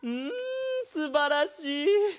んすばらしい！